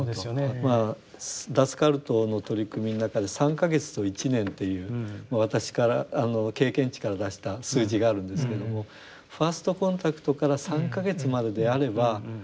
まあ脱カルトの取り組みの中で３か月と１年っていう私から経験値から出した数字があるんですけどもファーストコンタクトから３か月までであればほぼ１００％。